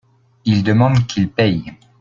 Il demande qu'il paye.